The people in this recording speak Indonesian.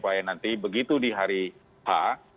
supaya nanti begitu di hari h